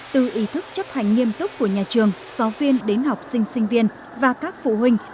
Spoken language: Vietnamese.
từ ý thức chấp hành nghiêm túc của nhà trường giáo viên đến học sinh sinh viên và các phụ huynh